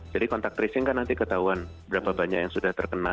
jadi contact tracing kan nanti ketahuan berapa banyak yang sudah terkena